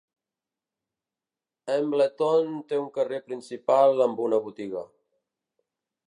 Embleton té un carrer principal amb una botiga.